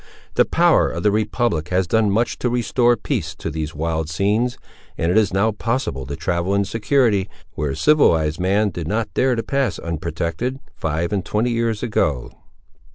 The power of the republic has done much to restore peace to these wild scenes, and it is now possible to travel in security, where civilised man did not dare to pass unprotected five and twenty years ago.